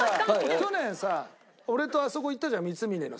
去年さ俺とあそこ行ったじゃん三峯のさ。